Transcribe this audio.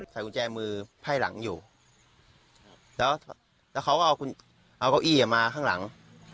ใส่กุญแจมือไพ่หลังอยู่แล้วแล้วเขาก็เอาเก้าอี้มาข้างหลัง